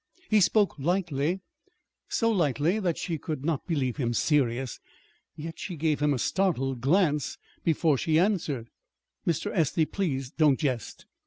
He spoke lightly, so lightly that she could not believe him serious. Yet she gave him a startled glance before she answered. "Mr. Estey, please don't jest!"